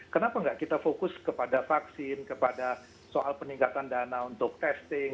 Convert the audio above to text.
kenapa nggak kita fokus kepada vaksin kepada soal peningkatan dana untuk testing